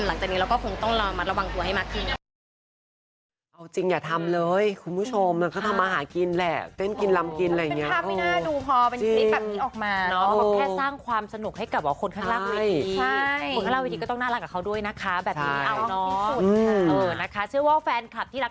หลังจากนี้เราก็คงต้องระมัดระวังตัวให้มากขึ้น